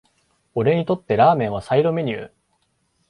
俺にとってラーメンはサイドメニュー